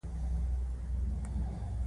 بېکارۍ د انسان ذهن ستړی کوي.